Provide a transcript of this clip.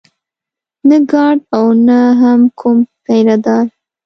نه ګارډ و او نه هم کوم پيره دار.